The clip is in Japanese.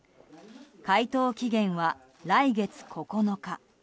回答期限は来月９日。